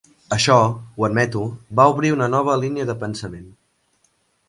Això, ho admeto, va obrir una nova línia de pensament.